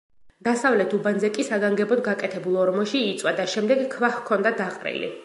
დასავლეთ უბანზე კი საგანგებოდ გაკეთებულ ორმოში იწვა და შემდეგ ქვა ჰქონდა დაყრილი.